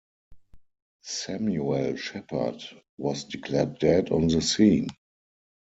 Samuel Shepherd was declared dead on the scene.